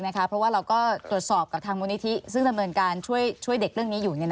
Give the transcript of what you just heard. เพราะว่าเราก็ตรวจสอบกับทางมูลนิธิซึ่งดำเนินการช่วยเด็กเรื่องนี้อยู่